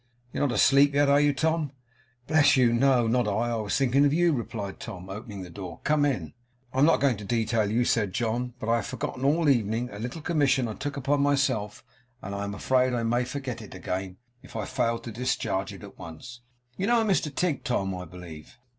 'You're not asleep yet, are you, Tom?' 'Bless you, no! not I. I was thinking of you,' replied Tom, opening the door. 'Come in.' 'I am not going to detail you,' said John; 'but I have forgotten all the evening a little commission I took upon myself; and I am afraid I may forget it again, if I fail to discharge it at once. You know a Mr Tigg, Tom, I believe?